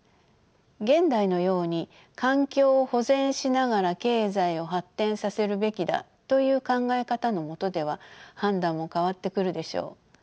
現代のように環境を保全しながら経済を発展させるべきだという考え方のもとでは判断も変わってくるでしょう。